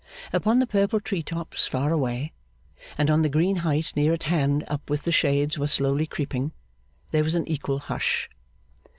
Upon the purple tree tops far away, and on the green height near at hand up which the shades were slowly creeping, there was an equal hush.